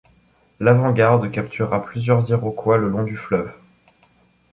L’avant-garde captura plusieurs Iroquois le long du fleuve.